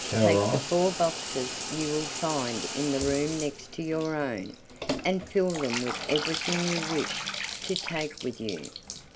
Take the four boxes you will find in the room next to your own, and fill them with everything you wish to take with you.